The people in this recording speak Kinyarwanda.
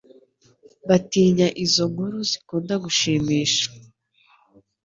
batinya Izo nkuru zikunda gushimisha